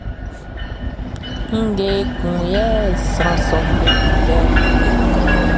Ngue ekun yɛ sran sɔʼm be kunndɛ ɔ?